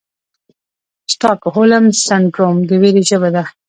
سټاکهولم سنډروم د ویرې ژبه ده.